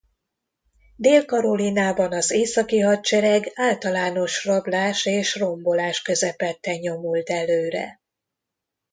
Dél-Karolinában az északi hadsereg általános rablás és rombolás közepette nyomult előre.